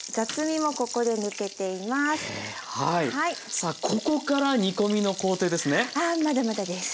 さあここから煮込みの工程ですね？